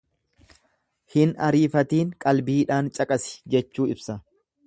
Hin ariifatiin qalbiidhaan caqasi jechuu ibsa.